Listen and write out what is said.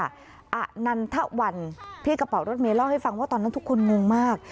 อานันทวันพี่กระเป๋ารถเมย์เล่าให้ฟังว่าตอนนั้นทุกคนงงมาก